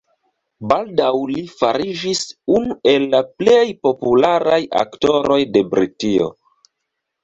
Baldaŭ li fariĝis unu el la plej popularaj aktoroj de Britio.